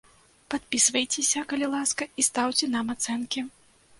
Падпісвайцеся, калі ласка, і стаўце нам ацэнкі!